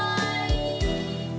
terima kasih pak hendrik